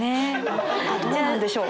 どうなんでしょう？